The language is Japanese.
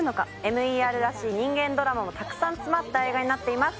ＭＥＲらしい人間ドラマもたくさん詰まった映画になっています